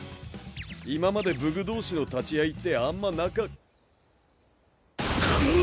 今まで武具同士の立ち合いってあんまなかっ。